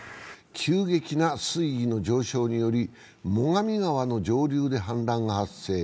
急激な水位の上昇により最上川の上流で氾濫が発生。